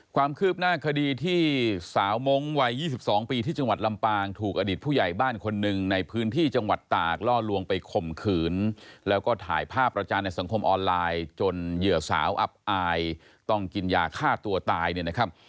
ความคืบหน้าคดีที่สาวมงค์วัย๒๒ปีที่จังหวัดลำปางถูกอดีตผู้ใหญ่บ้านคนหนึ่งในพื้นที่จังหวัดตากล่อลวงไปข่มขืนแล้วก็ถ่ายภาพประจานในสังคมออนไลน์จนเหยื่อสาวอับอายต้องกินยาฆ่าตัวตายเนี่ยนะครับ